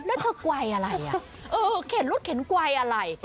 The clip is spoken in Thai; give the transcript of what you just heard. แล้วเธอกวายอะไรอ่ะเออเข็นรถเข็นกวายอะไร